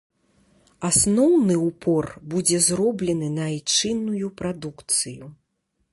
Асноўны ўпор будзе зроблены на айчынную прадукцыю.